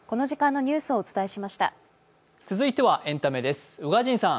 続いてはエンタメです。